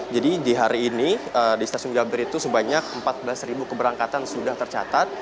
jadi di hari ini di stasiun gambir itu sebanyak empat belas keberangkatan sudah tercatat